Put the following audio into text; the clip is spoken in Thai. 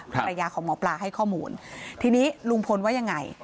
ภรรยาของหมอปลาให้ข้อมูลทีนี้ลุงพลว่ายังไง